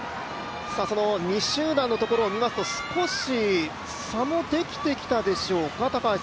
その２集団のところを見ますと、少し差もできてきたでしょうか。